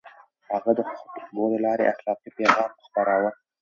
هغه د خطبو له لارې اخلاقي پيغام خپراوه.